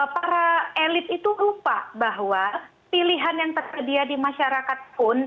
para elit itu lupa bahwa pilihan yang tersedia di masyarakat pun